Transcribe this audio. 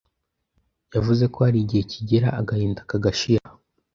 Yavuze ko hari igihe kigera agahinda kagashira,